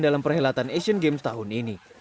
dalam perhelatan asian games tahun ini